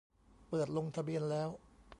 เปิดลงทะเบียนแล้ว